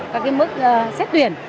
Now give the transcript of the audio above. các cái mức xét tuyển